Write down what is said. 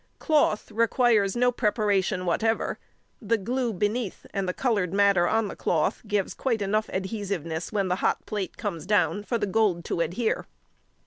Cloth requires no preparation whatever, the glue beneath and the coloured matter on the cloth gives quite enough adhesiveness when the hot plate comes down for the gold to adhere.